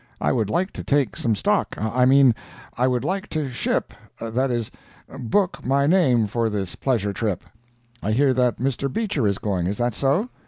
I would like to take some stock—I mean I would like to ship—that is, book my name for this pleasure trip. I hear that Mr. Beecher is going—is that so?"